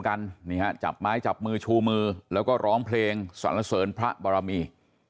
นี่ฮะจับไม้จับมือชูมือแล้วก็ร้องเพลงสรรเสริญพระบรมี